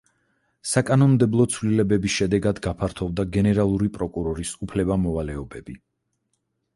საკანონმდებლო ცვლილებების შედეგად, გაფართოვდა გენერალური პროკურორის უფლება-მოვალეობები.